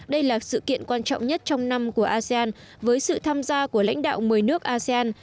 đây là sự kiện quan trọng nhất trong năm của asean với sự tham gia của lãnh đạo một mươi nước asean